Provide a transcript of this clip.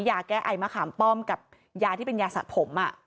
ยาแก้ไอมะขามป้อมกับยาที่เป็นยาสะผม